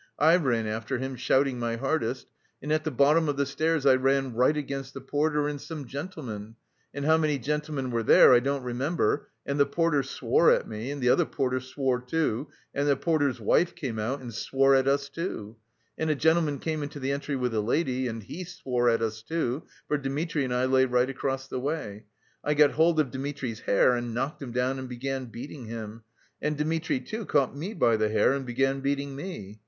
I ran after him, shouting my hardest, and at the bottom of the stairs I ran right against the porter and some gentlemen and how many gentlemen were there I don't remember. And the porter swore at me, and the other porter swore, too, and the porter's wife came out, and swore at us, too; and a gentleman came into the entry with a lady, and he swore at us, too, for Dmitri and I lay right across the way. I got hold of Dmitri's hair and knocked him down and began beating him. And Dmitri, too, caught me by the hair and began beating me.